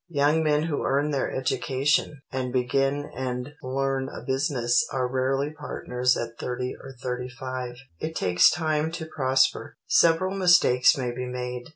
Young men who earn their education, and begin and learn a business are barely partners at thirty or thirty five. It takes time to prosper. Several mistakes may be made.